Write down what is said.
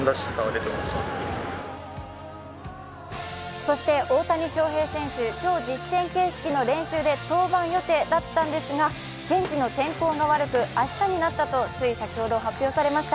そして大谷翔平選手、今日、実戦形式の練習で登板予定だったんですが、現地の天候が悪く明日になったと、つい先ほど発表されました。